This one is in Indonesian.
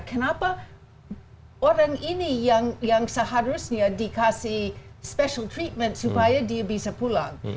kenapa orang ini yang seharusnya dikasih special treatment supaya dia bisa pulang